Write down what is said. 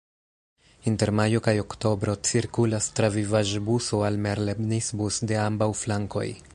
Inter majo kaj oktobro cirkulas travivaĵbuso "Almerlebnisbus" de ambaŭ flankoj.